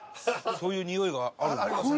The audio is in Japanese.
「そういう匂いがあるんですか」